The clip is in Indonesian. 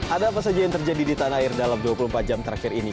ada apa saja yang terjadi di tanah air dalam dua puluh empat jam terakhir ini